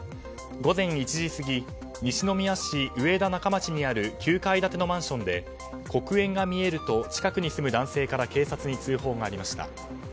午前１時過ぎ西宮市上田中町にある９階建てのマンションで黒煙が見えると近くに住む男性から警察に通報がありました。